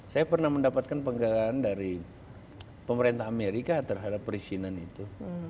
saya pernah mendapatkan penghargaan dari pemerintah amerika terhadap perizinan itu